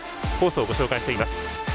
コースをご紹介します。